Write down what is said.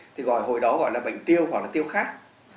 thì hồi đó gọi là bệnh tiêu hoặc là tiêu khát